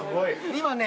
今ね